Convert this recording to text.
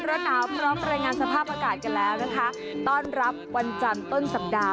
ร้อนหนาวพร้อมรายงานสภาพอากาศกันแล้วนะคะต้อนรับวันจันทร์ต้นสัปดาห